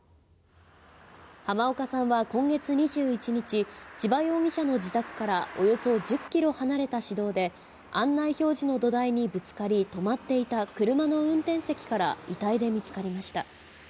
濱岡さんは今月２１日、千葉容疑者の自宅から、およそ１０キロ離れた市道で、案内表示の土台にぶつかり、止まっていた車の運転席から遺体で見つかりました。